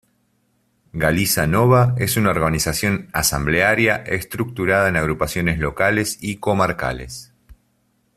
Galiza Nova es una organización asamblearia estructurada en agrupaciones locales y comarcales.